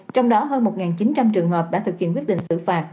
trong đó hơn một chín trăm linh trường hợp đã thực hiện quyết định xử phạt